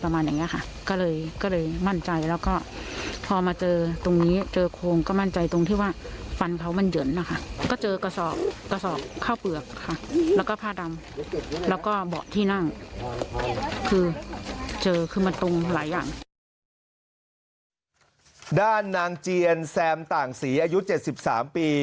ด้านนางเจียนแซมต่างศรีอายุ๗๓ปี